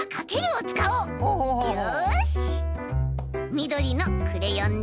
みどりのクレヨンで。